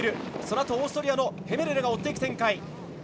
そのあとをオーストリアのヘメルレが追っていく展開。